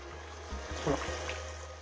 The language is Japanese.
ほら。